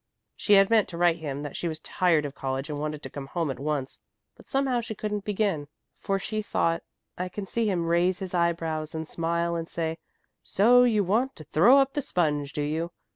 She had meant to write him that she was tired of college and wanted to come home at once; but somehow she couldn't begin. For she thought, "I can see him raise his eyebrows and smile and say, 'so you want to throw up the sponge, do you?